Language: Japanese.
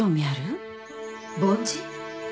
梵字？